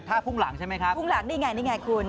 ถ้าพุ่งหลังใช่ไหมครับพุ่งหลังนี่ไงนี่ไงคุณ